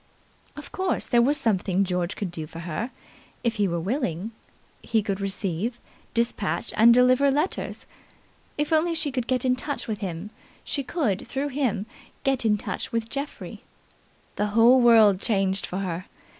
Of course there was something George could do for her if he were willing. He could receive, despatch and deliver letters. If only she could get in touch with him, she could through him get in touch with Geoffrey. The whole world changed for her.